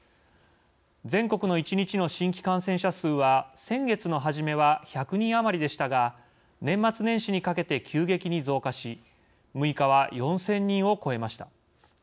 全国の１日の新規感染者数は先月の初めは１００人余りでしたが年末年始にかけて急激に増加し６日は４０００人を超えました。